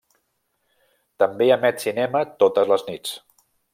També emet cinema totes les nits.